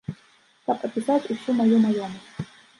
Каб апісаць усю маю маёмасць.